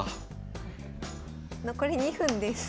残り２分です。